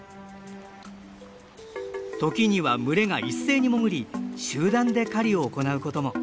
時には群れが一斉に潜り集団で狩りを行うことも。